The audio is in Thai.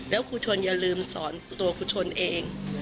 แล้วครูชนอย่าลืมสอนตัวครูชนเอง